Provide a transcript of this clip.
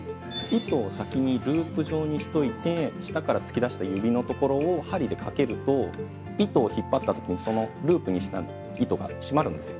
◆糸を先にループ状にしといて下から突き出した指のところを針でかけると糸を引っ張ったときにそのループにした糸が締まるんですよ。